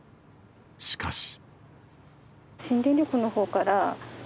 しかし。